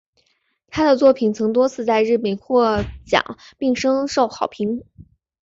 她的作品曾多次在日本获奖并深受好评。